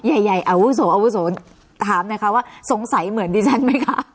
ใหญ่ใหญ่อาวุโสอาวุโสถามนะคะว่าสงสัยเหมือนดิฉันไหมคะ